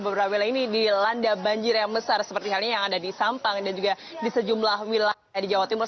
beberapa wilayah ini dilanda banjir yang besar seperti halnya yang ada di sampang dan juga di sejumlah wilayah di jawa timur